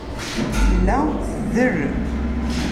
Tella tdel.